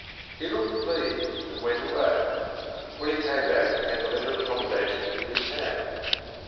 He looked pleased and went away. When he came back, he had the letter of commendation in his hand.